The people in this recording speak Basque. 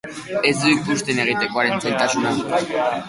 Ez du ikusten egitekoaren zailtasuna.